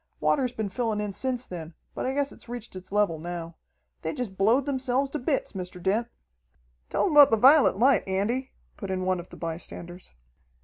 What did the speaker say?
Water's been fillin' in since then, but I guess it's reached its level now. They jest blowed themselves to bits, Mr. Dent." "Tell him about the vi'let light, Andy," put in one of the bystanders.